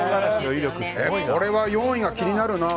これは４位が気になるな。